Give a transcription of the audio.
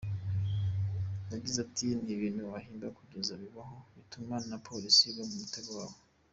Yagize ati “Ni ibintu bahimbye bitigeze bibaho, bituma na Polisi igwa mu mutego wabo.